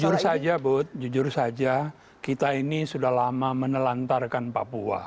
jujur saja bu jujur saja kita ini sudah lama menelantarkan papua